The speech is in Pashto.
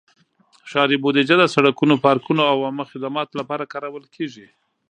ښاري بودیجه د سړکونو، پارکونو، او عامه خدماتو لپاره کارول کېږي.